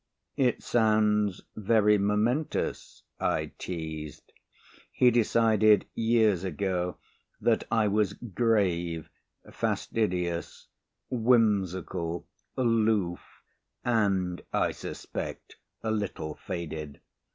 "It sounds very momentous," I teased. He decided years ago that I was grave, fastidious, whimsical, aloof and (I suspect) a little faded.